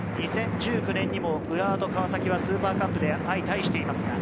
２０１９年にも浦和と川崎はスーパーカップで相対しています。